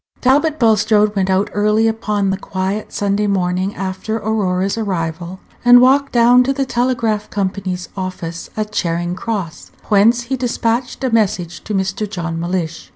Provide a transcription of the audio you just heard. Talbot Bulstrode went out early upon the quiet Sunday morning after Aurora's arrival, and walked down to the Telegraph Company's Office at Charing Cross, whence he despatched a message to Mr. John Mellish.